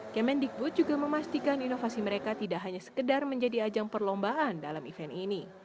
kemendikbud juga memastikan inovasi mereka tidak hanya sekedar menjadi ajang perlombaan dalam event ini